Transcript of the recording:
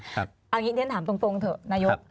อย่างนี้เนี่ยถามฟรงเถอะนายก